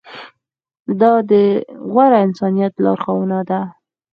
دا د غوره انسانیت لارښوونه ده.